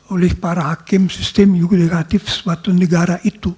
oleh para hakim sistem yudikatif suatu negara itu